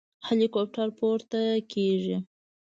هليكاپټر پورته کېږي.